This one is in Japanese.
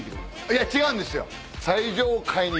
いや違うんですよ。